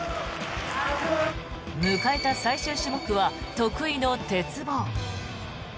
迎えた最終種目は得意の鉄棒。